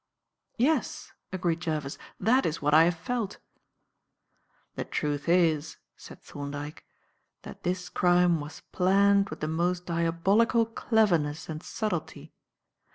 "Yes," agreed Jervis; "that is what I have felt." "The truth is," said Thorndyke, "that this crime was planned with the most diabolical cleverness and subtlety.